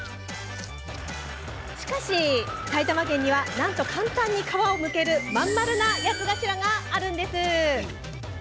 しかし埼玉県にはなんと簡単に皮をむける真ん丸な八つ頭があるんです。